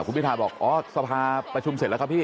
คุณพิทาบอกอ๋อสภาประชุมเสร็จแล้วครับพี่